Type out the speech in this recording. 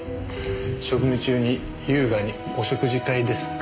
職務中に優雅にお食事会ですか？